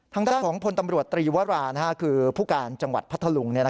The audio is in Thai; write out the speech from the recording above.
ทางด้านของพลตำรวจตรีวราคือผู้การจังหวัดพัทธลุง